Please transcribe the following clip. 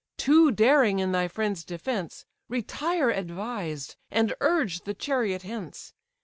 too daring in thy friend's defence Retire advised, and urge the chariot hence.